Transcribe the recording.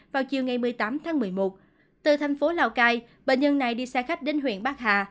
vào chiều ngày một mươi tám tháng một mươi một từ thành phố lào cai bệnh nhân này đi xe khách đến huyện bắc hà